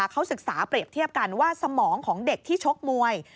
เขาศึกษาเปรียบเทียบกันว่าสมองของเด็กที่ชกมวย